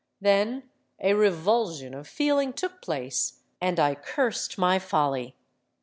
Then a revulsion of feeling took place; and I cursed my folly.